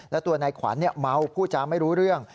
และตัวนายขวัญเมาผู้จาไม่รู้เรื่อง